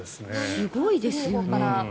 すごいですね。